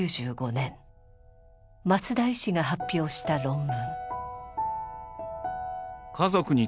松田医師が発表した論文。